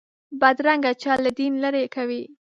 بدرنګه چل له دین لرې کوي